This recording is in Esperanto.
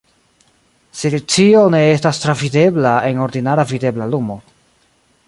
Silicio ne estas travidebla en ordinara videbla lumo.